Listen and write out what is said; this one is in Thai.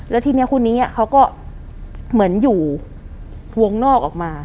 แล้วทีนี้คนนี้เขาก็เหมือนอยู่วงนอกออกมา